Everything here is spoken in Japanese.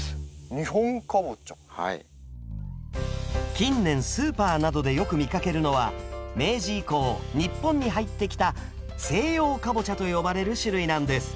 近年スーパーなどでよく見かけるのは明治以降日本に入ってきた西洋カボチャと呼ばれる種類なんです。